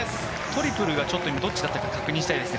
トリプルがどっちだったか確認したいです。